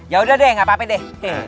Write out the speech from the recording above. ya udah deh gapapa deh